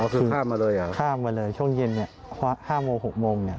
ค่ะค่ามาเลยช่วงเย็น๕โมง๖โมง